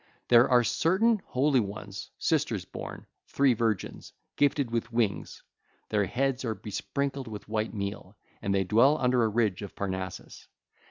There are certain holy ones, sisters born—three virgins 2523 gifted with wings: their heads are besprinkled with white meal, and they dwell under a ridge of Parnassus.